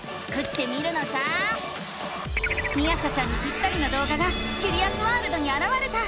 みあさちゃんにぴったりの動画がキュリアスワールドにあらわれた！